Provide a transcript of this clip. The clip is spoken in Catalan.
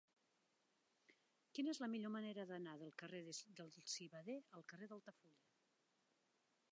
Quina és la millor manera d'anar del carrer del Civader al carrer d'Altafulla?